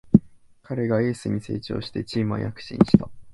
彼がエースに成長してチームは躍進した